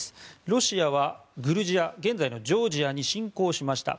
ロシアはグルジア現在のジョージアに侵攻しました。